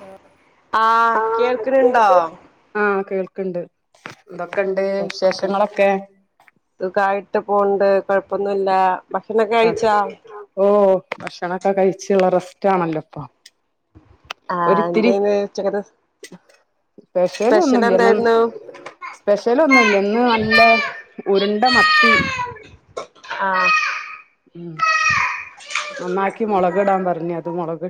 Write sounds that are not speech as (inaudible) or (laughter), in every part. Hello ആഹ് കേൾക്ണ് ണ്ടോ ക്ണ്ട് എന്തൊക്കെണ്ട് വിശേഷങ്ങളൊക്കെ (inaudible) സുഖായിട്ട് പോവ്ണ്ട് കൊഴപ്പൊന്നുല്ല ഭക്ഷണൊക്കെ കഴിച്ചാ ഓ ഭക്ഷണൊക്കെ കഴിച്ചുള്ള റസ് റ്റാണല്ലോ ഇപ്പൊ ആഹ് എന്തേനി ഉച്ചക്കത്തെ സ്പെഷ്യൽ ഒന്നുംല്ലന്ന സ്പെഷ്യൽ ഒന്നുല്ല ഇന്ന് നല്ല ഉരുണ്ട മത്തി ആഹ് ഉം നന്നാക്കി മുളകിടാൻ പറഞ്ഞ് അത് മുളക്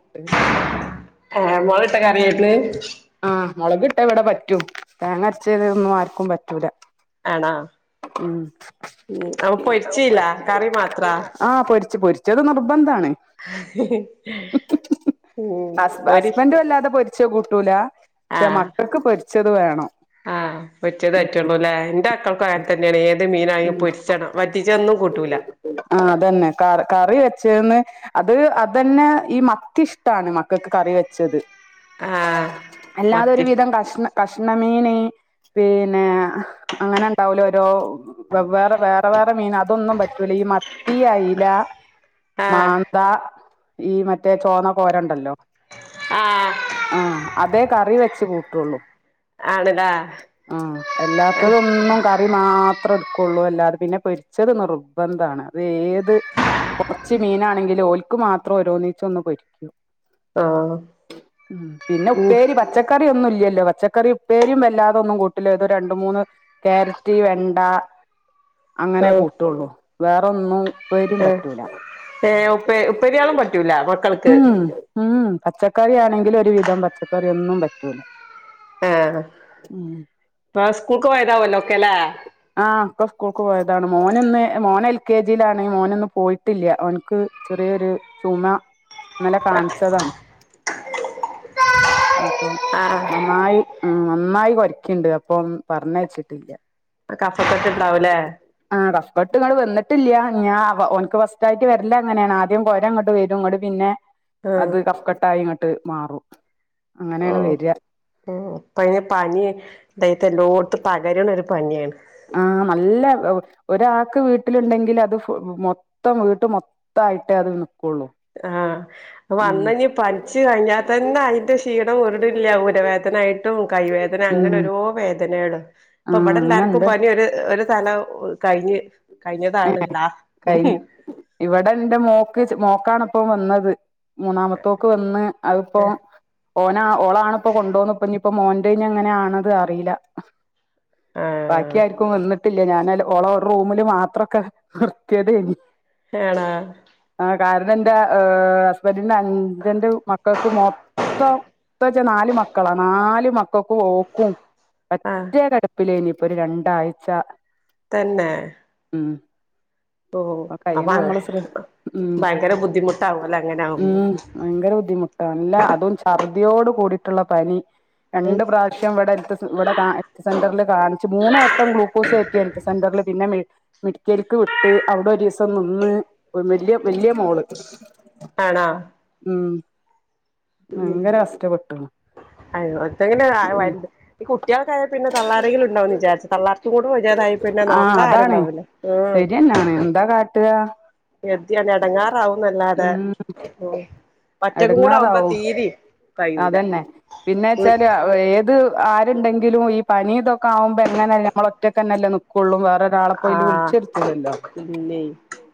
ഏ മുളക് ഇട്ട കറിയേര്ന്ന് മുളക് ഇട്ടാ ഇവിടെ പറ്റും തേങ്ങരച്ച തൊന്നും ആർക്കും പറ്റൂല ആണോ ഉം അപ്പൊ പൊരിച്ചില്ല കറി മാത്രാ ആഹ് പൊരിച് പൊരിച്ചത് നിർ ബന്ധാണ് ഉം ഹസ് പൊരി ഹസ്ബൻഡ് വല്ലാതെ പൊര് ച്ചത് കൂട്ടൂല പക്ഷെ ആഹ് മക്കൾക്ക് പൊരി ച്ചത് വേണം ആഹ് പൊരിചത് ഉം പറ്റുള്ളൂല്ലേ എന്റെ മക്കൾക്കു അങ്ങനെ തന്നെയാണ് ഏത് മീനായാലും ഉം പൊരിച്ചണം വറ്റിച്ചതൊന്നും കൂട്ടൂല ന്ന് അത് അതന്നെ ഈ മത്തി ഇഷ്ടാണ് മക്കൾക്ക് കറി വെച്ചത് ആഹ് അല്ലാതൊരു മത്തി വിധം കഷണം കഷ്ണമീന് പിന്നെ അങ്ങനെ ഉണ്ടാവലോ ഓരോ വ വേറെ വേറെ വേറെ മീൻ അതൊന്നും പറ്റു ല ഈ മത്തി അയ്ല ആഹ് മാന്ത ഈ മറ്റേ ചോന്ന കോരണ്ടല്ലോ ആഹ് ആഹ് അതെ കറി വെ ച്ച് കൂട്ടുള്ളൂ ആണല്ലേ ആഹ് എല്ലാത്തതൊന്നും കറി മാ ഇത്ര ഇട്ക്കൊള്ളു അല്ലാതെ പിന്നെ പൊര്ച്ചെത് നിർബെന്ധാണ് അത് ഏത് ച്ച് മീനാണെങ്കിലും ഓൽക്ക് മാത്രം ഓരോന്നീച്ചെ ഒന്ന് പൊരിക്കും ഓഹ് ഉം പിന്നെ ഉം ഉപ്പേരി പച്ചക്കറി ഒന്നു ഇല്ലോ പച്ചക്കറി ഇപ്പേരും വല്ലാതൊന്നും കൂട്ടില്ല ഇത രണ്ട മൂന്ന് കാരറ്റ് വെണ്ട അങ്ങനെ ഓഹ് കൂട്ടുള്ളൂ വേറെന്നും ഉപ്പേരിം പറ്റൂല ഏ ഉപ്പ ഉപ്പരിയാളും പറ്റൂല മക്കൾക്ക് ഉം ഉം പച്ചക്കറി ആണെങ്കിൽ ഒരു വിധം പച്ചക്കറി ഒന്നും പറ്റൂല ആഹ് ഉം ഇപ്പെ സ്കൂൾക്ക് പോയതാവും അല്ലോ ഒക്കെല്ലേ ക്കെ സ്കൂൾക്ക് പോയതാണ് മോന് ഇന്ന് മോൻ എൽ കെ ജിയിലാണെങ്കിൽ മോന് ഇന്ന് പോയിട്ടില്ല അവനിക്ക് ചെറിയൊരു ചുമ ഇന്നലെ കാണിച്ചതാണ് അപ്പൊ ആഹ് നന്നായി നന്നായി കൊരയ്ക്ക ക്ക്ണ്ട് അപ്പം പറഞ്ഞയച്ചിട്ടില്ല കഫക്കെട്ട് ഉണ്ടാകും ലേ ആ കഫക്കെട്ട് ഇങ്ങട്ട് വന്നിട്ടില്ല ഞാൻ ഓനക്ക് ഫസ്റ്റ് ഫസ്റ്റ് ആയിട്ട് വരൽ അങ്ങനെയാണ് ആദ്യം കോര അങ്ങോട്ട് വരും ഇങ്ങട്ട് പിന്നെ ആഹ് അത് കഫക്കെട്ടായി ഇങ്ങ (inaudible) മാറും ഓ അങ്ങനെയാണ് വര (inaudible) അതെ പനി (unintelligible) ല്ലോടുത്തും പകരണ പനിയാണ്. ആ നല്ല ഒരാൾക്ക് വീട്ടിലുണ്ടെങ്കിൽ അത് മൊത്തം വീട്ട് മൊത്തായിട്ട് അത് നിക്കുള്ളൂ ആ ഉം വന്ന് ഇനി പനിച്ചു കഴിഞ്ഞാൽ തന്നെ അതിന്റെ ക്ഷീണം ഒരിടില്ല പുരവേദനായിട്ടും കൈവേദന ഉം അങ്ങനെ ഓരോ വേദന. (inaudible) അപ്പൊ ആഹ് ഇവിടെ എല്ലാർക്കും അങ്ങനെണ്ട് പനി ഒരു ഒരു തല കഴിഞ്ഞ്. ഏ കഴിഞ്ഞതാണ് ലാ കൈ ഇവിടെ എന്റെ മോക്ക് മോക്കാണ് ഇപ്പ വന്നത്. മൂന്നാമത്തോക്ക് വന്ന് അത് പ്പോ ആഹ് ഓൻ ഓളാണിപ്പോ കൊണ്ടു പോന്നത് ഇപ്പൊ ഇനിയിപ്പോ മോന്റെ എങ്ങനെയാണത് അറിയില്ല. ബാക്കി ആർക്കും വന്നിട്ടി ഇല്ല ഞാൻ ഓളെ റൂമില് മാത്രം (inaudible) നിർത്തിയതേന്ന്. (unintelligible) കാരണം എന്റെ ങ് ഹസ്ബൻഡ് എൻ്റെ അഞ്ജന്റെ മക്കൾക്ക് മൊത്തം ത്തച്ച നാല് മക്കളാ നാല് മക്കൾക്ക് ഓൾക്കും ആഹ് മറ്റേ കടപ്പിലേനി ഒരു രണ്ടാഴ്ച തന്നെ ഉം ഓ അപ്പൊ കഴിയണ അപങ്ങ നമ്മള് ശ്ര ഉം ഭയങ്കര ബുദ്ധിമുട്ട ആവുല്ലേ അങ്ങനെ ആകുമ്പോ അല്ല അതും ഛർദിയോട് കൂടിയിട്ട്ള്ള പനി അത് രണ്ട് പ്രാവശ്യം ഇവിടെ ഇവിടെ ഹെൽത്ത് സെന്ററിൽ കാണിച്ച് മൂന്ന് വട്ടം ഗ്ലൂക്കോസ് കയറ്റിയ ഹെൽത്ത് സെന്റർല് പിന്നെ മെഡിക്കൽക്ക് വിട്ട് അവിടെ ഒരിസം നിന്ന് വലിയ വല്യ മോള് ആണോ ഉം ഉം ഭയങ്കര കഷ്ടപ്പെട്ടു അയോ അതങ്ങനെ ഉം വരുത് ഈ കുട്ടിയളക്കായ പിന്നെ തള്ളാരങ്കിലും ഉണ്ടാവന്ന് വിചാരിച്ചു തള്ളാർക്കും കൂടി വായ്യാതായി പിന്നെ ആ നോക്കാ അതാണ് ആരുണ്ടാവൂല്ല ശരിയെന്നാണ് എന്താ കാ ട്ട എത്തർഞ് എടങ്ങെറാവുന്നല്ലാതെ എടുങ്ങാറാവോ കഴിയൂല അതന്നെ പിന്നെ വെച്ചാല്ഏ ഇത് ആരംഭ പങ്കിലും ഈ പനി ഇതൊക്കെ ആവുമ്പോൾ എങ്ങനെ ഞമ്മള് ഒറ്റക്കെന്നല്ലേ, നിക്കൂളളും. ആഹ് ഇല്ലേ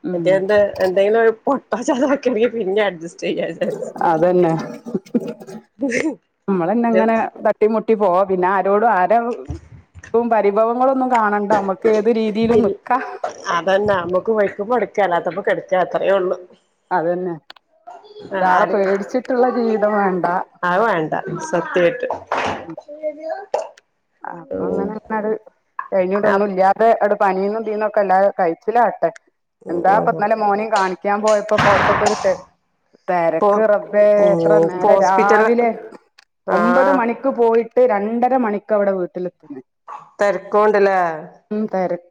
ഉം മറ്റേ എൻ്റെ എൻ്റെ കളില കുഴപ്പം ഒരു (unintelligible) പിന്നെ അഡ്ജസ്റ്റ് ചെയ്യാ അല്ലെ? അതന്നെ (inaudible) നമ്മളന്നെങ്ങനെ തട്ടിമുട്ടി പോവാ പിന്നെ ആരോടും ആര് ഉം പരിഭ ഭവങ്ങൾ ഒന്നും. കാണണ്ട, നമ്മുക്ക് ഏത് രീതിയിലും ഇൽ നിക്കാം. ചല്ലാത്തോണ്ട് കിടക്ക അത്രേ ഉള്ളൂ. അതന്നെ ഒരാളെ ആർക്കും പേടിച്ചിട്ടുള്ള ജീവിതം വേണ്ട. അത് വേണ്ട (unintelligible) അപ്പൊ ഉം അങ്ങനെ അത്. കഴിഞ്ഞിട്ടൊന്നും ഇല്ലാതെ ഇട പനീന്നും തീന്നൊക്കെണ്ടായി കഴിച്ചില്ലാട്ടെ. എന്താപ്പാ ഉം ഇന്നലെ മോനയും കാണിക്കാൻ പോയപ്പോക്കെ അവിടത്തൊക്കെ ഒരു ഇപ്പൊ തിരക്ക് റബ്ബേ ഉം എത്ര ഇപ്പൊ നേരം ഹോസ്പിറ്റല് രാവിലെ ഒമ്പത് ആഹ് മണിക്ക് പോയിട്ട് രണ്ടര മണിക്ക് ഒക്കെ ഇവിടെ വീട്ടില് തെരക്കോണ്ട് ല്ലേ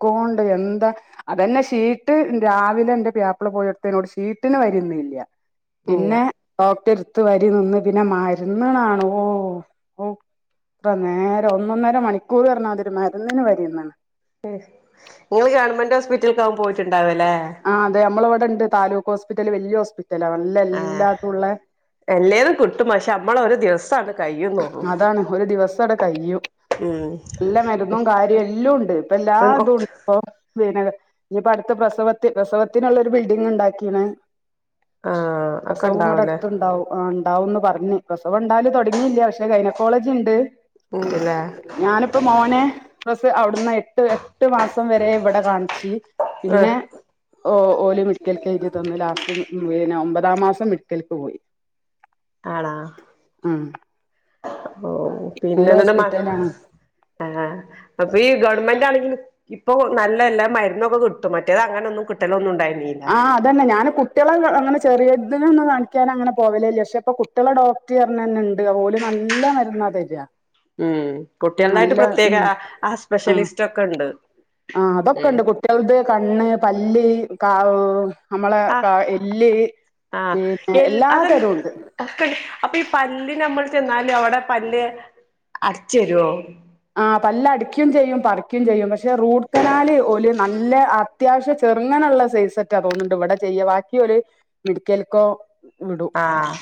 ക്കോണ്ട് എന്താ അതന്നെ ഷീട്ട് രാവിലെ എന്റെ പിയ്യാപ്പിള പോയടത്തേനോട് ഷീട്ടിന് വരിന്നില്ല ഇല്ല പിന്നെ ഡോക്ടർ ത്ത് വരി നിന്ന് പിന്നെ മരുന്നുകളാണോ ഔ എത്ര നേര ഒന്നൊന്നര മണിക്കൂർ പറഞ്ഞാൽ അതൊരു മരുന്നിന് വരിന്നിണ് നിങ്ങങ്ങള് ഗവൺമെന്റ് ഹോസ്പിറ്റലക്കാവും പോയിട്ടു ണ്ടാവല്ലേ ആ അതെ നമ്മളിവിടെ ഉണ്ട് താലൂക്ക് ഹോസ്പിറ്റൽ വല്യ ഹോസ്പിറ്റൽ ആഹ് അല്ലേതും കിട്ടും പക്ഷേ നമ്മളൊര് ദിവസം ആണ് അതാണ് ഒരു ദിവസടെ കയ്യും ഉം നല്ല മരുന്നും കാര്യം എല്ലുണ്ട് ഇപ്പല്ലാതുണ്ട്പ്പോ പിന്നെ ഞിപ്പോ അടുത്ത പ്രസവത്തി പ്രസവത്തിനുള്ളൊരു ബിൽഡിംഗ് ണ്ടാക്കീണ് ആഹ് ഒക്കെ പ്രസവം ഉണ്ടാവൂലേ ഇവടെടുത്തണ്ടാവും ആ ണ്ടാവുന്ന് പറഞ് പ്രസവണ്ടാവല് തൊടി ഞ്ഞില്ല പക്ഷെ ഗൈനക്കോളജിണ്ട് ഉണ്ട്ല്ലേ ഞാനിപ്പോ മോനെ ക്ക് അവിട്ന്നാ എട്ട് വേ എട്ട് മാസം വരെ ഇവടെ കാൺച്ച് പിന്നെ ആഹ് ഓല് മെടിക്കൽക്ക് എയ്തിതന്ന് ലാസ്റ്റ് ഒമ്പതാം മാസം മെഡിക്കലക്ക് പോയി ആണാ ഉം ഓ നല്ല പിന്നെന്ന്ട്ട് മ ഹോസ്പിറ്റലാണ് (unintelligible) ഏ അപ്പീ ഗ ഗവൺമെന്റാണെങ്കിലും ഇപ്പൊ നല്ല എല്ലാ മരുന്നൊക്കെ കിട്ടും മ്മറ്റേത് അങ്ങനൊന്നും കിട്ടലൊന്നുണ്ടായിരുന്ന ആ അതന്നെ ഞാൻ കുട്ടിളെ അങ്ങനെ. ചേ ചെറിയതിനൊന്നും കാണിക്കാൻ അങ്ങനെ പോവലേല്ല പക്ഷെ ഇപ്പൊ കുട്ടിളെ ഡോക്ട റഞ്ഞെന്നെണ്ട് ഓല് നല്ല മരുന്നാ തരാ ഉം കുട്ടികളതായിട്ട് പ്രത്യേക ആ ആ സ്പെഷ്യലിസ്റ്റൊക്കെണ്ട് ആ അതൊക്കെണ്ട് കുട്ട്യാൾത് കണ്ണ് പല്ല് കൗ ആ ആ പിന്നെ എൽ എല്ലാ അതല്ല തരവുണ്ട് അപ്പീ പല്ല് നമ്മൾ- ന്നാലും അവടെ പല്ല് അട്ചേരൂ ആ പല്ല് അടിക്കും ചെയ്യും പറിക്കുകയും ചെയ്യും പക്ഷെ റൂട്ട് കനാല് ഓല് നല്ല അത്യാവശ്യ ചെറുങ്ങനള്ള സൈസെറ്റേ തോന്നുന്നണ്ട് ഇവടെ ചെയ്യാ വാക്കി ഓല് മെടിക്കൽക്കോ വിടും ആഹ്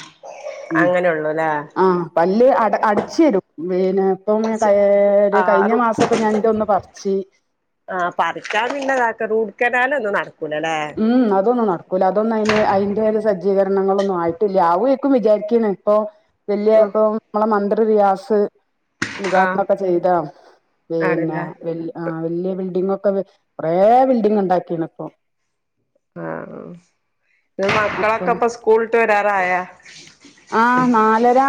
ഉ അങ്ങനെള്ളൂല്ലേ ആ പല്ല് അടച്ചേരും പിന്നെപ്പ ഏ ഒരു ആഹ് റു കഴിഞ്ഞമാസപ്പോ ഞാൻ ഇന്റെ ഒന്ന് പറച്ച് കനാലൊന്ന് നടു ഉം അതൊന്നും നടക്കൂല അതൊന്നും അയിന് അയിന്റെരു സ ജീകരങ്ങളൊന്നും ആയിട്ടില്ല ആവോയ്‌ക്കും വിചാരിക്ക്ണ് പ്പൊ ഉം വല്യാപ്പം നമ്മളെ മന്ത്രി റിയാസ് ആഹ് ഉദ്ഘാടനൊക്കെ ചെയ്താണ് പിന്നെ ആണ്ല്ലേ വല്യ ആ വല്യ ബിൽഡിംക്കെ കുറെ ബിൽഡിങ്ണ്ടാക്കീണ് ഇപ്പൊ ആ ങ്ങളെ അപ്പൊ മക്കളൊക്കെപ്പൊ സ്കൂളിട്ട് വരാറായാ ആ നാലര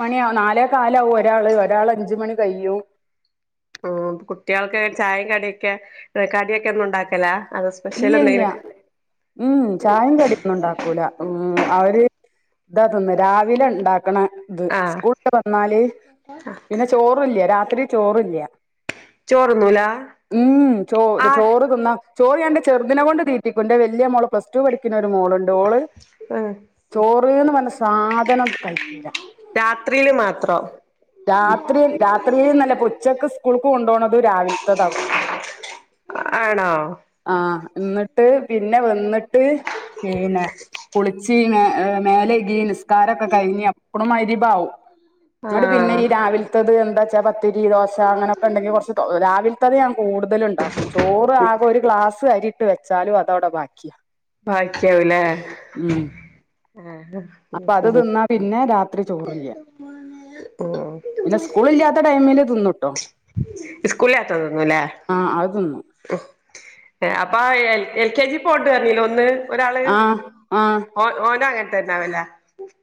മണിയാവ നാലേ കാലാവും ഒരാള് ഒരാൾ അഞ്ച് മണി കയ്യും ക്കെ കടിയൊക്കെ എന്നും ഉണ്ടാക്കലാ അത് ഇല്ല സ്പെഷ്യൽ ഇല്ല എന്തെങ്കിലൊക്കെ ഉം ചായയും കടിയൊന്നും ഉണ്ടാക്കൂല ഉം അവര് ഇതാ തിന്ന് രാവിലെ ഉണ്ടാക്കണ ഇത് ആഹ് സ്കൂള വന്നാല് പിന്നെ ചോറല്ല രാത്രി ചോറ് ഇല്ല ചോറുന്നൂല ഉം ആഹ് ചോറ് തിന്ന ചോറ് ഞാൻ ഇന്റെ ചെറുദ്നെ കൊണ്ട് തീറ്റിക്കും ന്റെ വൽ ല്യ മോള് പ്ലസ്ടു പഠിക്ക്ണ മോള്ണ്ടോള് ഓള് ഉം ചോ ബ് ന്ന് പർഞ്ഞ സാ തനം കഴിക്കുല രാത്രിയില് മാത്രം രാത്രി രാത്രിന്നല്ല പുച്ചക്ക് സ്കൂൾക്ക് കൊണ്ടണത് രാവിലത്തതകും ആണോ ആഹ് എന്നിട്ട് പിന്നെ വന്നി ട്ട് പിന്നെ പുളിച്ചീന ങ് മേലെ കി നിസ്കാരൊക്കെ കഴിഞ്ഞ് അപ്പളും മഅ്രിഭാവും ങ്ങട്ട് പിന്നെ ആഹ് ഈ രാവിലത്തത് എന്താച് ചവ ത്തിരി ദോശ അങ്ങനെക്കെ ഉണ്ടെങ്കിൽ കൊറച്ച് രാവിൽത്തന്നെ ഞാൻ കൂടുതലും ഉണ്ടാക്കും ചോറ് ആകെ ഒരു ഗ്ലാസ് അരിയിട്ട് വെച്ചാലും അത അവിടെ ബാക്കിയ ബാക്കിയാവൂലേ അപ്പൊ അത് തിന്നാ പിന്നെ രാത്രി ചോറില്ല പിന്നെ സ്കൂളില്ലാത്ത ടൈമില് തിന്നുട്ടോ സ്കൂളാത്താ തോന്നുല്ലേ ആഹ് അത് തിന്നും ഏ അപ്പൊ എ എൽ കെ ജി പോട്ട് പറഞ്ഞില്ലോ ഒന്ന് ഒരാള് ആഹ് ആഹ് ഓ ഓനാ കേട്ട തന്നാവില്ല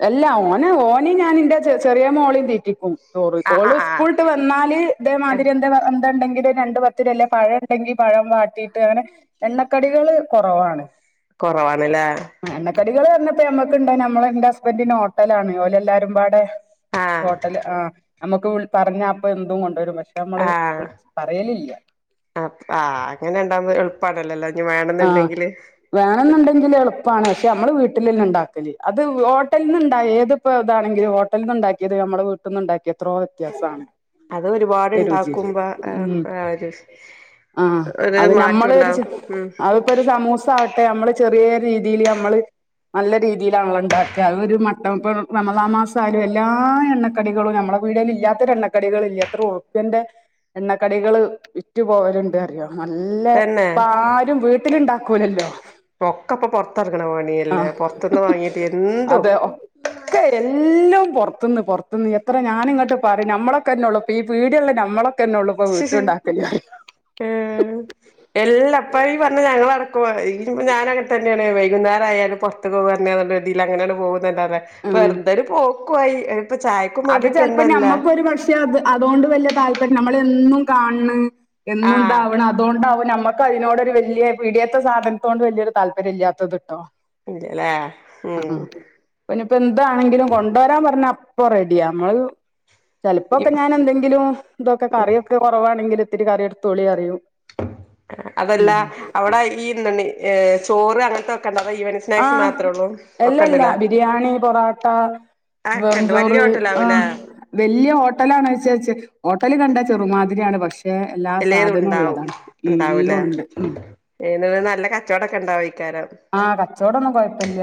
അല്ല ഓന ഓന ഞാൻ എന്റെ ചെറിയ മോളെയും തീ- സ്കൂളു ആഹ് ആഹ് വിട്ട് വന്നാല് ഇതേ ആഹ് മാതിരി എന്താണ്ടെങ്ക- രണ്ടു പത്തിനല്ലേ പഴം ഉണ്ടെങ്കിൽ പഴം വാട്ടിട്ട്- അങ്ങനെ എണ്ണക്കടികള് കുറവാണ് കൊറവാണ് ലേ ഇപ്പ ഞമ്മക്ക്ണ്ടോ നമ്മളെ ഇൻ്റസ് ബൻ്റ്ന് ഹോട്ടലാണ് ഓലെല്ലാരും പാടെ ആഹ് ഹോട്ടൽ ആഹ് നമുക്ക് വിൾ പറഞ്ഞാ അപ്പൊ എന്തും കൊണ്ടുവരും പ ക്ഷെ നമ്മള് ആഹ് വിൾച് പറയലില്ല്യ അപ് ആ അങ്ങനെ ഇണ്ടാവ്മ്പൊ എള്പ്പാണല്ലോ ലേ ഇഞ്ഞ് വേണെന്ന്ണ്ടെങ്കില് പ്പാണ് പക്ഷെ നമ്മള് വീട്ടിലന്നെ ഉണ്ടാക്കല് അത് ഹോ ട്ടൽന്ന്ണ്ടാ ഏത്പ്പോ ഇതാണെങ്കിലും ഹോട്ടൽന്ന്ണ്ടാക്ക്യേത് നമ്മള് വീട്ട്ന്ന് ണ്ടാക്ക്യത്രോ വ്യത്യാസാണ്. അത് ഒരുപാട്ണ്ടാക്കുമ്പോ ഏഹ് ഉം ആ ഒരു ആഹ് ഒരു അത് നമ്മള് മാറ്റുണ്ടാവും. ഉം ഇപ്പ ഞമ്മള് ചെറ്യേര് രീതീല് നമ്മള് നല്ല രീതിയിലാണല്ലോ ഇണ്ടാ ക്കാ ഒരു മട്ടംപ റമളാൻ മാസായാലും എല്ലാ എണ്ണക്കടികളും നമ്മളെ പീട്യേല് ഇല്ല്യാത്തര് എണ്ണക്കടികള് ഇല്ല്യ എത്ര ഉറുപ്പ്യന്റെ എണ്ണക്കടികള് വിറ്റു പോവല്ണ്ട് അറിയോ നല്ല തന്നെ ഇപ്പ ആരും വീട്ടിലുണ്ടാക്കൂലല്ലോ ഒക്കപ്പൊ പൊറത്തറങ്ങ്ണ പണ്യല്ലേ ആഹ് പൊറത്ത്ന്ന് വാങ്ങീട്ട് എന് അതെ ഒക്കെ എല്ലും പൊർത്ത്ന്ന് പൊർത്ത്ന്ന് എത്ര ഞാനിങ്ങട്ട് പറിം നമ്മളൊക്കെന്നെ ഉള്ളൂ ഇപ്പ ഈ പീട്യള്ളെ നമ്മളെ ക്കെന്നെ ഉള്ളൂപ്പോ വീട്ടൂണ്ടാക്കല് അറിയും. എല്ല ഇപ്പ ഈ പറഞ്ഞ ഞങ്ങളട പോവാറായി ഞാൻ അകത്തു തന്നെയാണ് ഇവൻ എന്ത്‌ന്നായാലും പുറത്ത് പോ രതിൽ അങ്ങനെയാണ് പോകുന്നത് ഉം വെറുതെരു പോ കുായി (unintelligible) അത് ചിലപ്പോ നമ്മുക്കൊരു പക്ഷെ അത് അതൊണ്ട് വലിയ താല്പര്യം നമ്മ- എന്നും കാണണ് എന്നും ആഹ് ഇതാവണം അതുകൊണ്ടാവും നമ്മൾ- നമ അതിനോടൊരു വലിയ പിടിയത്തെ സാധനത്തോണ്ട് വലിയൊരു താല്പര്യം ഇല്ലാത്തത് കേട്ടോ അല്ലല ഉം പിന്നെ ഇപ്പൊ എന്ത്‌ ആണെങ്കിലും കൊണ്ടുവരാൻ പറഞ്ഞാ - ഇപ്പൊ റെഡിയ നമ്മൾ ചിലപ്പോക്കെ ഞാൻ എന്തെങ്കിലും ഇതൊക്കെ കറിയോക്കെ കുറവാണെങ്കിൽ- ഒത്തിരി കറി എടുത്തു തൊളി അറിയൂ അതല്ല അവിടെ ഈ എന്ത ഏ ചോറ് അങ്ങനത്തെ- ഒക്കെ ഉണ്ടോ അതോ ഈവനിംഗ് ആ സ്നാക്സ് മാത്രേ ഉള്ളൂ ഒക്കെ എല്ലല്ലാ ഉണ്ടല്ലേ ബിരിയാണി പൊറോട്ട ആ ഒക്കെ വെരും ഉണ്ട് വലിയ ചോറ് ആ ഹോട്ടലാവൂലേ വലിയ ഹോട്ടലാണ വെച്ചച്ച ഹോട്ടല് കണ്ട ചെറുമാതിരിയാണ് പക്ഷെ എല്ലാ ഇല്ല ഇത് സാധനവും ഉണ്ടാവും ഉള്ളതാണ് ഉം ഉണ്ടാവും എല്ലോം ഇല്ലേ ഉണ്ട് ഉം കച്ചവടൊക്കെ ഉണ്ടാവും ഇക്കാരം ആഹ് കച്ചവടംന്നും കൊഴപ്പമില്ല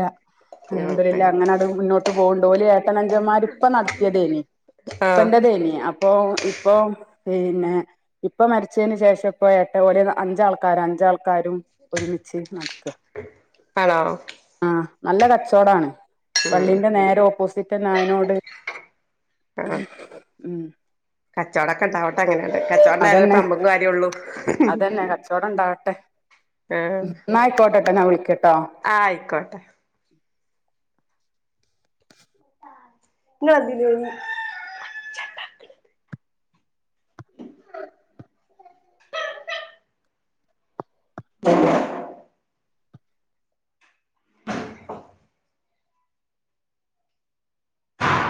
അത് ഉം എന്തര് അല്ലേ അങ്ങനെ അത് മുന്നോട്ട് പോകുണ്ട് ഏട്ടഅനി യൻമ്മാരെ ഇപ്പ നടത്തിയതേയുള്ളൂ ഇപ്പറ ആഹ് (unintelligible) തേന അപ്പൊ ഇ ഇപ്പം പിന്നെ ഉപ്പ മരിച്ചതിനന് ശേഷം ഇപ്പോ എട്ട പോലി അഞ്ച് ആൾക്ക- അവര് അഞ്ചാൾക്കാരും ഒരുമിച്ച് നടത്തു വാ ഹലോ നല്ല കച്ചോടാണ് പള്ളിന്റെ നേരെ ഓപ്പോസിറ്റ് തന്നെ ആയനോട് ആ ഉം കച്ചോടൊക്കെ ഉണ്ടാവട്ടെ അങ്ങനെ അതെ കച്ചവടം ഉണ്ടായിട്ടെ അതന്നെ നമ്മുക്കും കാര്യം ഉള്ളൂ അതന്നെ കച്ചോടം ഉണ്ടാവട്ടെ ആ ഇപ്പൊ ഞാൻ വിളിക്ക ആ ആയിക്കോട്ടെ (unintelligible) (inaudible)